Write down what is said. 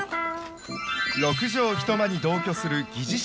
６畳一間に同居する疑似姉妹。